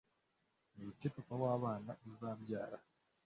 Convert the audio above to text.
Mwite papa w'abana uzabyara,